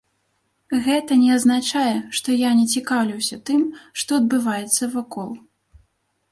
Гэта не азначае, што я не цікаўлюся тым, што адбываецца вакол.